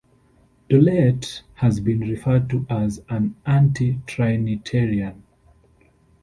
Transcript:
Dolet has been referred to as an Anti-Trinitarian.